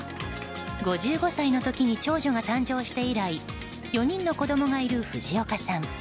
５５歳の時に長女が誕生して以来４人の子供がいる藤岡さん。